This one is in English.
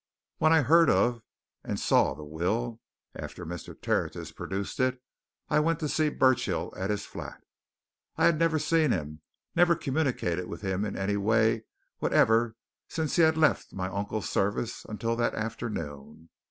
When I heard of and saw the will, after Mr. Tertius produced it, I went to see Burchill at his flat. I had never seen him, never communicated with him in any way whatever since he had left my uncle's service until that afternoon.